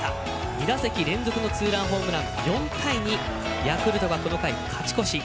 ２打席連続のツーランホームラン４対２ヤクルトがこの回、勝ち越し。